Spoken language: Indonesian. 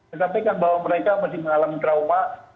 tetapi kan bahwa mereka masih mengalami trauma